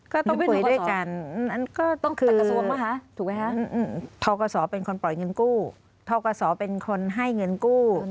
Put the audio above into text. ก็ต้องคุยด้วยกันทกศเป็นคนปล่อยเงินกู้ทกศเป็นคนให้เงินกู้